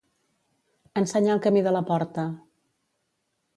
Ensenyar el camí de la porta.